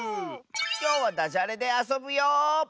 きょうはダジャレであそぶよ！